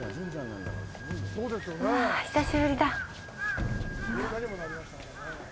わあ、久しぶりだ。